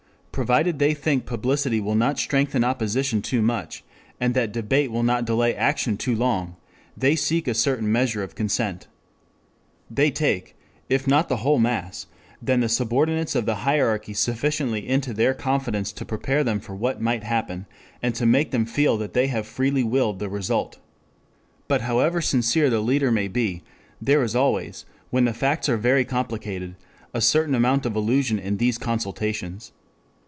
Provided they think publicity will not strengthen opposition too much, and that debate will not delay action too long, they seek a certain measure of consent. They take, if not the whole mass, then the subordinates of the hierarchy sufficiently into their confidence to prepare them for what might happen, and to make them feel that they have freely willed the result. But however sincere the leader may be, there is always, when the facts are very complicated, a certain amount of illusion in these consultations.